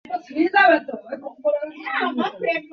তবে এটা সত্য, কার্ভার একটা হারামজাদা।